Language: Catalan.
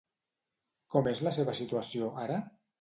Com és la seva situació ara?